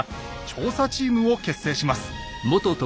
調査チームを結成します。